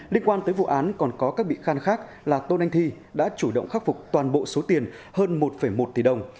liên quan tới vụ án còn có các bị can khác là tôn anh thi đã chủ động khắc phục toàn bộ số tiền hơn một một tỷ đồng